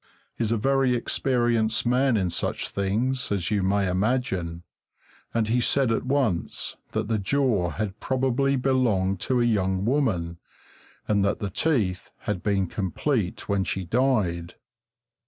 He's a very experienced man in such things, as you may imagine, and he said at once that the jaw had probably belonged to a young woman, and that the teeth had been complete when she died.